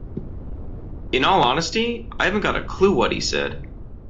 In all honesty, I haven't got a clue what he said.